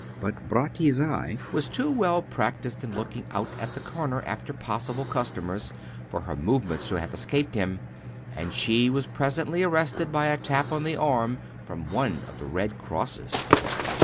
But Bratti's eye was too well practised in looking out at the corner after possible customers, for her movement to have escaped him, and she was presently arrested by a tap on the arm from one of the red crosses.